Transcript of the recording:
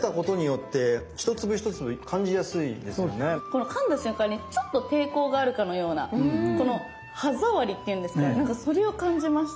このかんだ瞬間にちょっと抵抗があるかのようなこの歯触りっていうんですかねなんかそれを感じました。